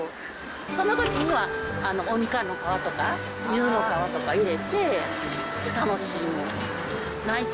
そのときには、おみかんの皮とか、ユズの皮とか入れて楽しむ。